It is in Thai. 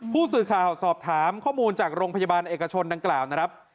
ผู้สื่อข่าวสอบถามข้อมูลจากโรงพยาบาลเอกชนดังกล่าวนะครับ